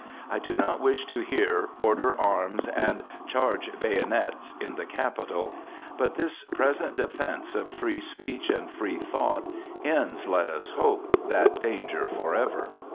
I do not wish to hear, "Order arms!" and "Charge bayonets!" in the Capitol. But this present defence of Free Speech and Free Thought ends, let us hope, that danger forever.